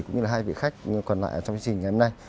cũng như là hai vị khách còn lại trong chương trình ngày hôm nay